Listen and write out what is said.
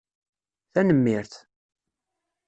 Tanemmirt